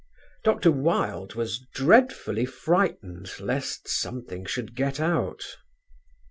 Dr. Wilde was dreadfully frightened lest something should get out....